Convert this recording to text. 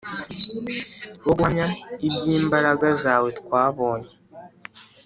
Bo guhamya ibyimbaraga zawe twabonye